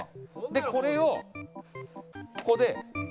でこれをここで。